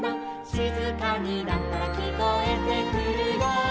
「しずかになったらきこえてくるよ」